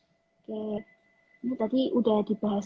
oke ini tadi udah dibahas